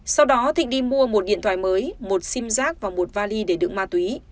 sau đó thịnh đi mua một điện thoại mới một sim giác và một vali để đựng ma túy